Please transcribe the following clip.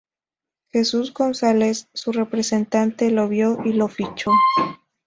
Jesús González, su representante, lo vio y lo fichó.